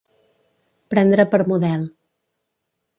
Prendre per model.